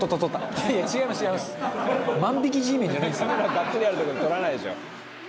がっつりあるとこで取らないでしょ」